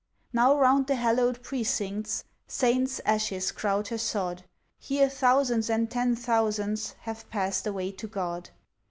Now round the hallowed precincts Saint's ashes crowd her sod, Here thousands, and ten thousands Have passed away to God.